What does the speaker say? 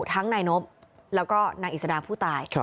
ทั้งนายนบแล้วก็นางอิสดาผู้ตาย